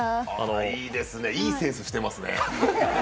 いいですねいいセンスしてますね。